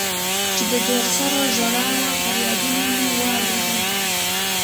چې د تور سرو ژړا و فريادونه مو واورېدل.